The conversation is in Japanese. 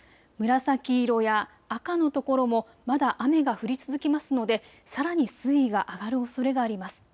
紫色や赤のところもまだ雨が降り続きますのでさらに水位が上がるおそれがあります。